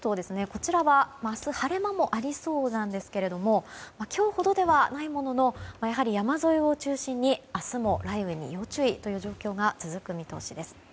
こちらは明日、晴れ間もありそうなんですけれども今日ほどではないもののやはり山沿いを中心に明日も雷雨に要注意という状況が続く見通しです。